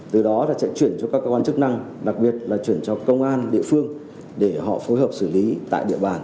từ đó là sẽ chuyển cho các cơ quan chức năng đặc biệt là chuyển cho công an địa phương để họ phối hợp xử lý tại địa bàn